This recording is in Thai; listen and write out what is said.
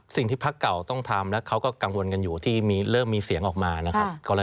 สิ่งที่พักเก่าต้องทำแล้วเขาก็กังวลกันอยู่ที่เริ่มมีเสียงออกมานะครับ